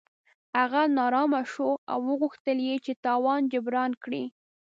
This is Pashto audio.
هغه نا ارامه شو او غوښتل یې چې تاوان جبران کړي.